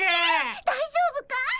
大丈夫かい？